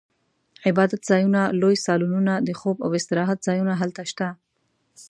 عبادتځایونه، لوی سالونونه، د خوب او استراحت ځایونه هلته شته.